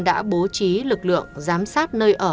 đã bố trí lực lượng giám sát nơi ở